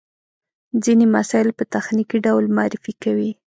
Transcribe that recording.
ځينې مسایل په تخنیکي ډول معرفي کوي.